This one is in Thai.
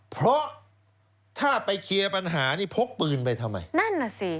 เพราะถ้าไปเคลียร์ปัญหานี่พกปืนไปทำไมนั่นน่ะสิ